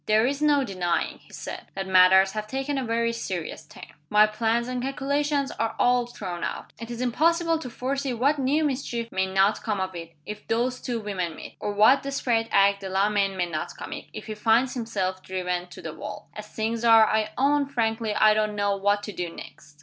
"There is no denying," he said, "that matters have taken a very serious turn. My plans and calculations are all thrown out. It is impossible to foresee what new mischief may not come of it, if those two women meet; or what desperate act Delamayn may not commit, if he finds himself driven to the wall. As things are, I own frankly I don't know what to do next.